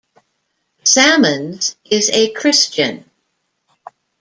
Salmons is a Christian.